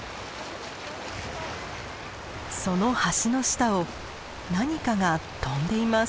その橋の下を何かが飛んでいます。